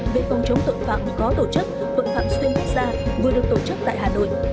về phòng chống tội phạm có tổ chức tội phạm xuyên quốc gia vừa được tổ chức tại hà nội